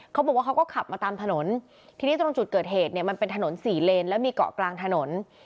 เขาก็ขับมาตามถนนทีนี้ตรงจุดเกิดเหตุเนี่ยมันเป็นถนนสี่เลนแล้วมีเกาะกลางถนน